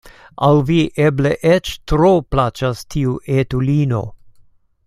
Al vi eble eĉ tro plaĉas tiu etulino!